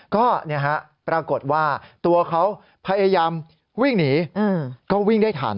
ก็ปรากฏว่าตัวเขาพยายามวิ่งหนีก็วิ่งได้ทัน